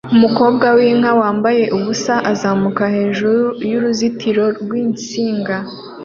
Umukobwa w'inka wambaye ubusa azamuka hejuru y'uruzitiro rw'insinga